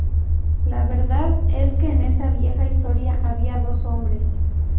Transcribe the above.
La verdad es que en esa vieja historia había dos hombres.